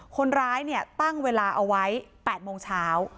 คนร้ายเนี่ยตั้งเวลาเอาไว้๘โมงเช้า